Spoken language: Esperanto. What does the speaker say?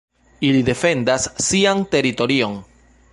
Ili defendas sian teritorion.